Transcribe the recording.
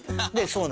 そう